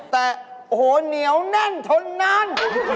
แต่โอ้โหเหนียวแน่นทนนาน